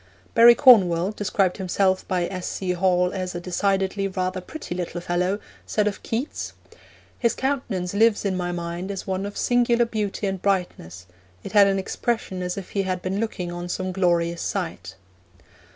Barry Cornwall, described himself by S. C. Hall as 'a decidedly rather pretty little fellow,' said of Keats: 'His countenance lives in my mind as one of singular beauty and brightness, it had an expression as if he had been looking on some glorious sight.'